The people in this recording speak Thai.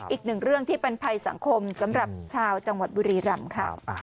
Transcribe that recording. อีกหนึ่งเรื่องที่เป็นภัยสังคมสำหรับชาวจังหวัดบุรีรำค่ะ